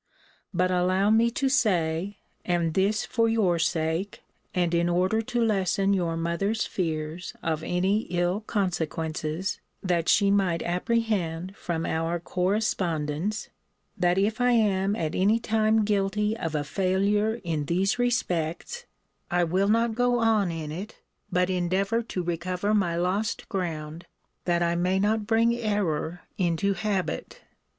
But allow me to say, and this for your sake, and in order to lessen your mother's fears of any ill consequences that she might apprehend from our correspondence, that if I am at any time guilty of a failure in these respects, I will not go on in it, but endeavour to recover my lost ground, that I may not bring error into habit.